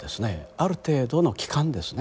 ある程度の期間ですね